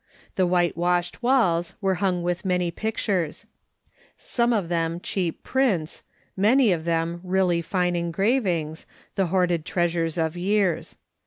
The white washed walls were hung with many pictures ; some of them cheap prints, many of them really line en gravings, the hoarded treasures of years.